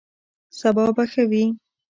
سبا به ښه وي